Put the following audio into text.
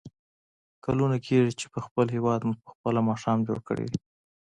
کلونه کېږي چې په خپل هېواد مو په خپله ماښام جوړ کړی دی.